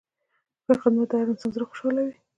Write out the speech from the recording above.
ښه خدمت د هر انسان زړه خوشحالوي.